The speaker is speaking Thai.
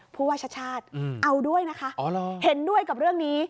พูดว่าชัดเอาด้วยนะคะเห็นด้วยกับเรื่องนี้